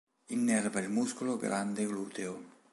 Innerva il muscolo grande gluteo.